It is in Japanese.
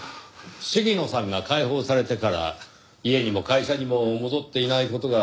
鴫野さんが解放されてから家にも会社にも戻っていない事が引っかかりましてね。